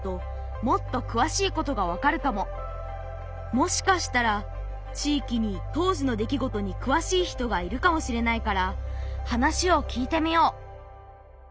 もしかしたら地域に当時の出来事にくわしい人がいるかもしれないから話を聞いてみよう。